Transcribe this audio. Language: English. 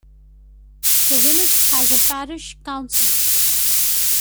The village has a parish council.